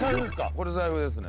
これ財布ですね。